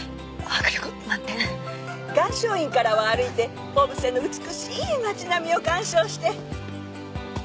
岩松院からは歩いて小布施の美しい町並みを観賞して。